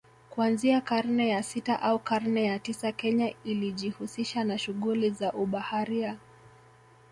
Kuanzia karne ya sita au karne ya tisa Kenya ilijihusisha na shughuli za ubaharia